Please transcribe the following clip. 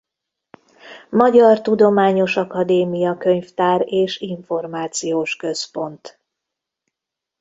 Magyar Tudományos Akadémia Könyvtár és Információs Központ.